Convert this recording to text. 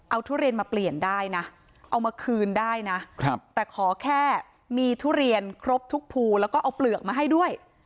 เอาทุเรียนมาเปลี่ยนได้นะเอามาคืนได้นะแต่ขอแค่มีทุเรียนครบทุกภูแล้วก็เอาเปลือกมาให้ด้วย